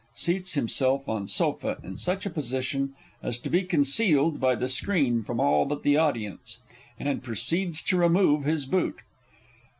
[_Seats himself on sofa in such a position as to be concealed by the screen from all but the audience, and proceeds to remove his boot.